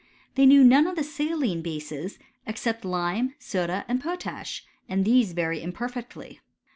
They knew none of the saline bases, except lime, soda, and potaab^ and these very imperfectly.